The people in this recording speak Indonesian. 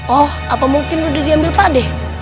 oh apa mungkin udah diambil pak deh